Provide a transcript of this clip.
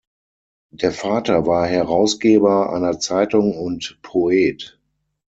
Der Vater war Herausgeber einer Zeitung und Poet.